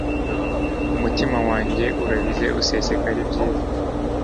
umutima wanjye urabize usesekara ibyiza